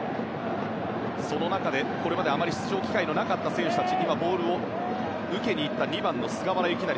その中でこれまであまり出場機会のなかった選手たちボールを受けに行った２番の菅原由勢。